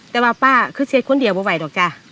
แต่ว่าป้าคือเซ็ตคนเดียวไม่ไหวด้วยจ้ะ